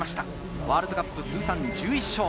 ワールドカップ通算１１勝。